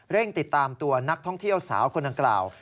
ติดตามตัวนักท่องเที่ยวสาวคนดังกล่าว